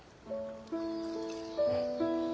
うん。